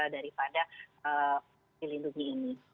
daripada penduli lindungi ini